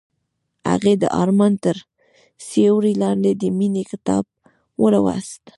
هغې د آرمان تر سیوري لاندې د مینې کتاب ولوست.